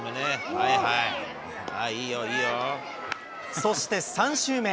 そして３周目。